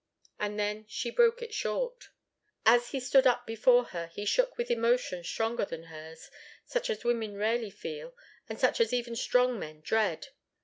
And then she broke it short. As he stood up before her, he shook with emotion stronger than hers, such as women rarely feel, and such as even strong men dread.